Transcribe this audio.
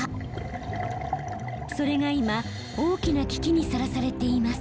それが今大きな危機にさらされています。